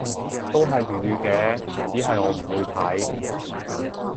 都係粵語嘅，只係我唔會睇